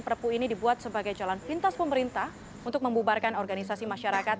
perpu ini dibuat sebagai jalan pintas pemerintah untuk membubarkan organisasi masyarakat